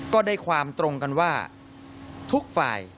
ก็ได้ความตรงกันว่าทุกฝ่าย